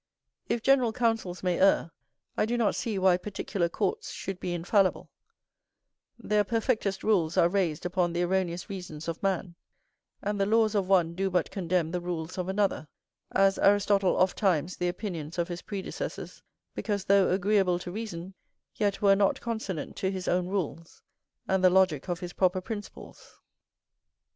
If general councils may err, I do not see why particular courts should be infallible: their perfectest rules are raised upon the erroneous reasons of man, and the laws of one do but condemn the rules of another; as Aristotle ofttimes the opinions of his predecessors, because, though agreeable to reason, yet were not consonant to his own rules and the logick of his proper principles.